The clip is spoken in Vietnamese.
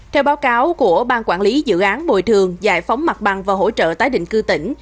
theo báo cáo của ban quản lý dự án bồi thường giải phóng mặt bằng và hỗ trợ tái định cư tỉnh